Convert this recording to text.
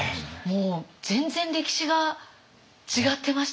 もう全然歴史が違ってましたよね。